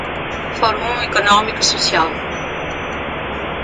Fórum Econômico Social